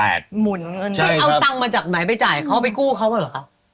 เอาตังค์มาจากไหนไปจ่ายเขาไปกู้เค้าอยู่หรือคะ